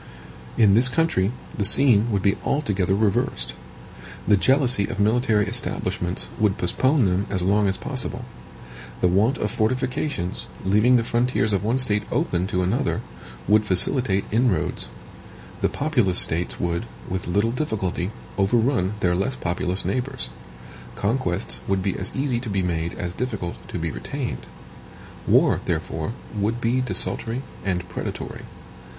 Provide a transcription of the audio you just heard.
In this country the scene would be altogether reversed. The jealousy of military establishments would postpone them as long as possible. The want of fortifications, leaving the frontiers of one state open to another, would facilitate inroads. The populous States would, with little difficulty, overrun their less populous neighbors. Conquests would be as easy to be made as difficult to be retained. War, therefore, would be desultory and predatory.